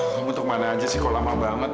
mau untuk mana aja sih kok lama banget